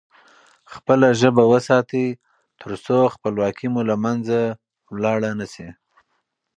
خپله ژبه وساتئ ترڅو خپلواکي مو له منځه لاړ نه سي.